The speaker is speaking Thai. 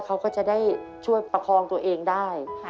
เขาก็จะได้ช่วยประคองตัวเองได้